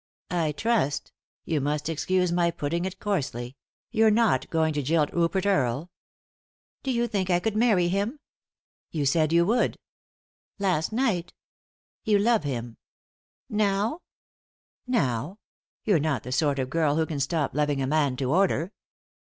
"I trust — you must excuse my putting it coarsely — you're not going to jilt Rupert Earle ?"" Do you think 1 could marry him ?"" You said you would," " Last night 1 "" You lore him." " Now 1 "" Now \ You're not the sort of girl who can stop loving a man to order."